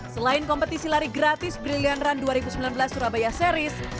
selain kompetisi lari gratis brilliant run dua ribu sembilan belas surabaya series